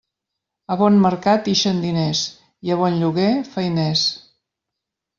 A bon mercat ixen diners i a bon lloguer, feiners.